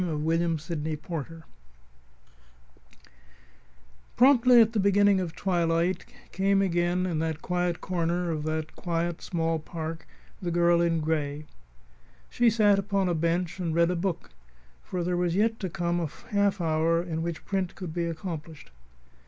VII WHILE THE AUTO WAITS Promptly at the beginning of twilight, came again to that quiet corner of that quiet, small park the girl in gray. She sat upon a bench and read a book, for there was yet to come a half hour in which print could be accomplished.